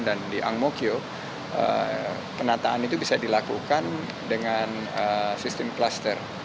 di angmokyo penataan itu bisa dilakukan dengan sistem klaster